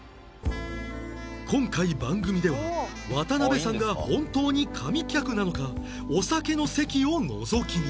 今回番組では渡辺さんが本当に神客なのかお酒の席をのぞき見